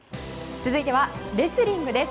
続いてはレスリングです。